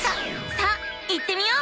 さあ行ってみよう！